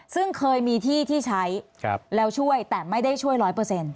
ซึ่งเคยมีที่ที่ใช้แล้วช่วยแต่ไม่ได้ช่วยร้อยเปอร์เซ็นต